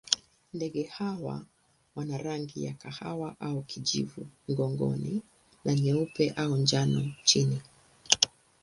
Ndege hawa wana rangi ya kahawa au kijivu mgongoni na nyeupe au njano chini.